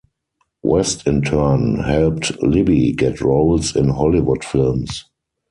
West in turn helped Libby get roles in Hollywood films.